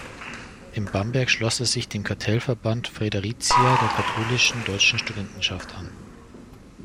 In Bamberg schloss er sich dem Cartellverband "Fredericia" der Katholischen Deutschen Studentenschaft an.